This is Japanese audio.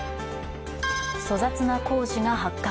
粗雑な工事が発覚。